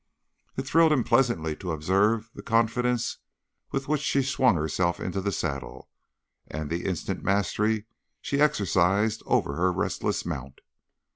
It thrilled him pleasantly to observe the confidence with which she swung herself into the saddle and the instant mastery she exercised over her restless mount.